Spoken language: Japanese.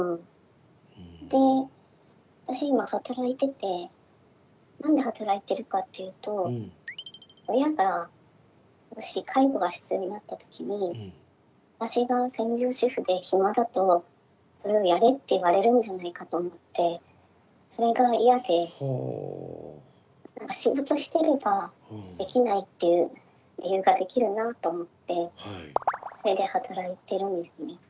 で私今働いてて何で働いているかっていうと親がもし介護が必要になった時に私が専業主婦で暇だとそれをやれって言われるんじゃないかと思ってそれが嫌で何か仕事してればできないっていう理由ができるなあと思ってそれで働いてるんですね。